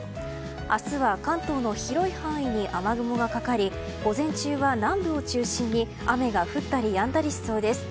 明日は関東の広い範囲に雨雲がかかり午前中は南部を中心に雨が降ったりやんだりしそうです。